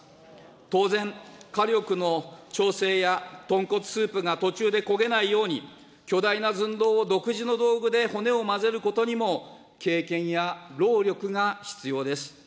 当然、火力の調整や、豚骨スープが途中で焦げないように、巨大な寸胴を独自の道具で骨を混ぜることにも、経験や労力が必要です。